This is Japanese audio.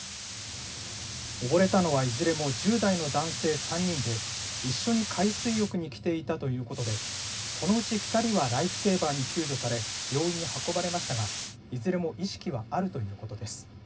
溺れたのはいずれも１０代の男性３人で一緒に海水浴に来ていたということでこのうち２人はライフセーバーに救助され病院に運ばれましたがいずれも意識はあるということです。